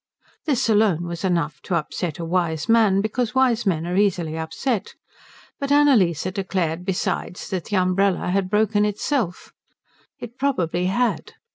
This alone was enough to upset a wise man, because wise men are easily upset; but Annalise declared besides that the umbrella had broken itself. It probably had.